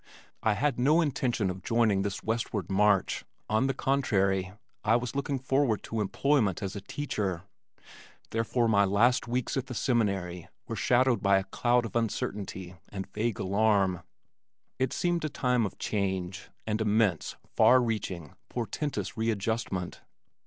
I had no intention of joining this westward march; on the contrary, I was looking toward employment as a teacher, therefore my last weeks at the Seminary were shadowed by a cloud of uncertainty and vague alarm. It seemed a time of change, and immense, far reaching, portentous readjustment.